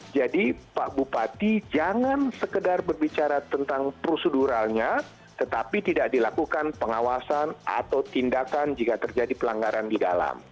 jadi pak bupati jangan sekedar berbicara tentang proseduralnya tetapi tidak dilakukan pengawasan atau tindakan jika terjadi pelanggaran di dalam